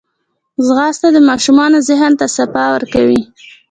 ځغاسته د ماشومانو ذهن ته صفا ورکوي